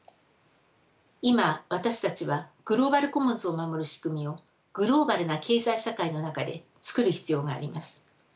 今私たちはグローバル・コモンズを守る仕組みをグローバルな経済社会の中で作る必要があります。